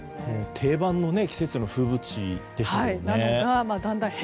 定番の季節の風物詩でしたもんね。